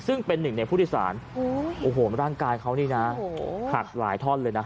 ซึ่งเป็นหนึ่งในผู้โดยสารโอ้โหร่างกายเขานี่นะหักหลายท่อนเลยนะ